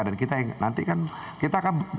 dan kita nanti kan